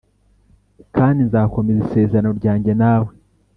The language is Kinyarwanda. Kandi nzakomeza isezerano ryanjye nawe